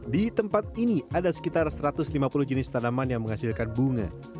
di tempat ini ada sekitar satu ratus lima puluh jenis tanaman yang menghasilkan bunga